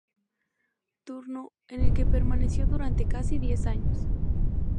Turno, en el que permaneció durante casi diez años.